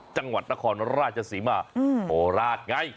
จังหวัดนครราชสิม่าโหลาต